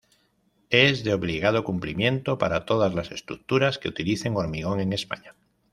Es de obligado cumplimiento para todas las estructuras que utilicen hormigón en España.